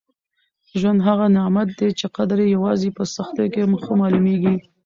ژوند هغه نعمت دی چي قدر یې یوازې په سختیو کي ښه معلومېږي.